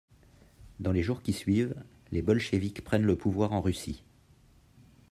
Dans les jours qui suivent, les bolcheviks prennent le pouvoir en Russie.